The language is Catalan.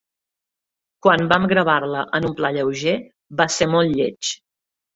Quan vam gravar-la en un pla lleuger, va ser molt lleig.